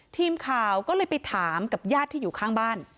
ทีมข่าวก็เลยไปถามกับญาติที่อยู่ข้างบ้าน